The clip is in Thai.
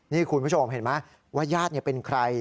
นี่คุณผู้ชมเห็นไหมว่าญาติเป็นใคร